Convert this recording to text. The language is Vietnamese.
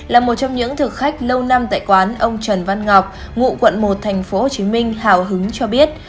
là một trong những thực khách lâu năm tại quán ông trần văn ngọc ngụ quận một tp hcm hào hứng cho biết